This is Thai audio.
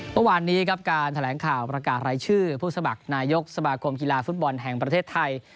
เมื่อวานนี้ครับการแถลงข่าวประกาศรายชื่อผู้สมัครนายกสมาคมกีฬาฟุตบอลแห่งประเทศไทย